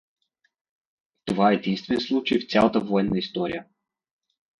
Това е единствен случай в цялата военна история.